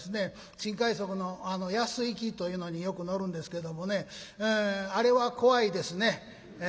新快速の野洲行きというのによく乗るんですけどもねあれは怖いですね。